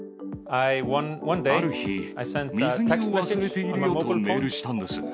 ある日、水着を忘れているよとメールしたんです。